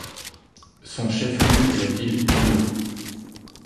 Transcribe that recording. Son chef-lieu est la ville d'Ilo.